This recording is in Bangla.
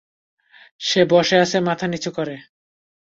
সে বসে আছে মাথা নিচু করে।